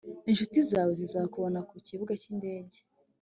inshuti zawe zizakubona ku kibuga cyindege